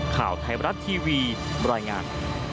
ข่าวไทยบรรทีวีบรอยงาน